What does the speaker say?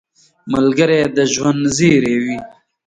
ملګری د ژوند زېری وي